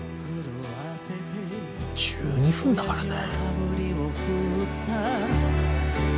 １２分だからね。